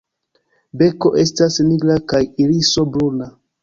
Beko estas nigra kaj iriso bruna.